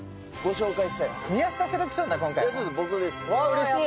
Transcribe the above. うれしい。